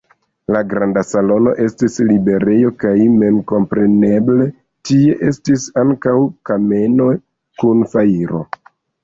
La granda salono estis librejo kaj memkompreneble tie estis ankaŭ kameno kun fajro.